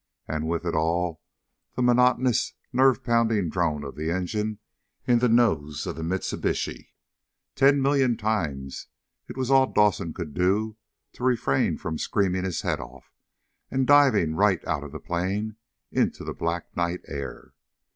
And with it all the monotonous, nerve pounding drone of the engine in the nose of the Mitsubishi. Ten million times it was all Dawson could do to refrain from screaming his head off, and diving right out of the plane into the black night air.